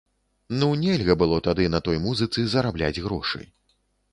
Ну, нельга было тады на той музыцы зарабляць грошы.